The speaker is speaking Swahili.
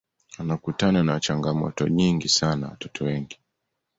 anakutana na changamoto nyingi sana watoto wengi